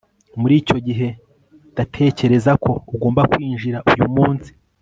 Muri icyo gihe ndatekereza ko ugomba kwinjira uyu munsi